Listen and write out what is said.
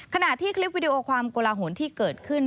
ขณะที่คลิปวิดีโอความโกลาหลที่เกิดขึ้น